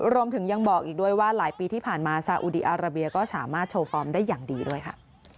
รวมถึงยังบอกอีกด้วยว่าหลายปีที่ผ่านมาซาอุดีอาราเบียก็สามารถโชว์ฟอร์มได้อย่างดีด้วยค่ะ